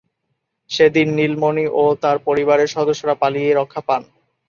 সেদিন নীলমণি ও তার পরিবারের সদস্যরা পালিয়ে রক্ষা পান।